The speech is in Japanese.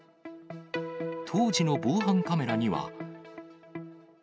当時の防犯カメラには。